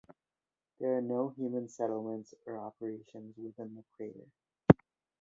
There are no human settlements or operations within the crater.